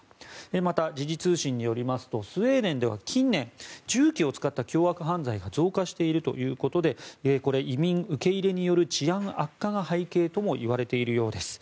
また、時事通信によりますとスウェーデンでは近年、銃器を使った凶悪犯罪が増加しているということで移民受け入れによる治安悪化が背景ともいわれているようです。